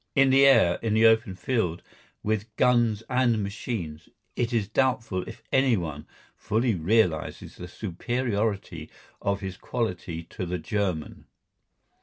In the air, in the open field, with guns and machines, it is doubtful if anyone fully realises the superiority of his quality to the German.